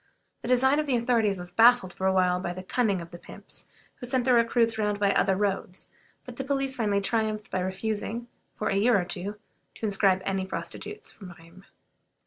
The design of the authorities was baffled for a while by the cunning of the pimps, who sent their recruits round by other roads; but the police finally triumphed by refusing, for a year or two, to inscribe any prostitutes from Rheims.